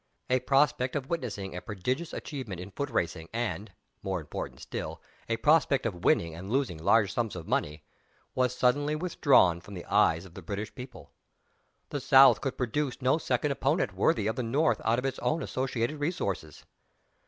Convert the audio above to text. A prospect of witnessing a prodigious achievement in foot racing, and (more important still) a prospect of winning and losing large sums of money, was suddenly withdrawn from the eyes of the British people. The "South" could produce no second opponent worthy of the North out of its own associated resources.